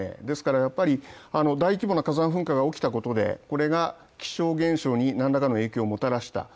ですから、大規模な火山噴火が起きたことで、これが気象現になんらかの影響をもたらした。